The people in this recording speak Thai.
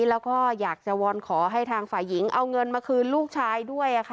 แล้วก็อยากจะวอนขอให้ทางฝ่ายหญิงเอาเงินมาคืนลูกชายด้วย